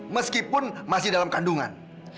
meskipun masih dalam kandungan